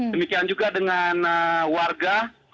demikian juga dengan warga